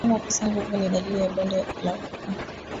Wanyama kukosa nguvu ni dalili ya bonde la ufa